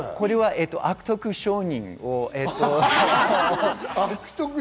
悪徳商人を。